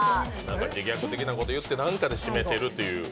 自虐的なことを言って、最後に何かで締めてるっていう。